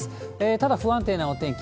ただ、不安定なお天気。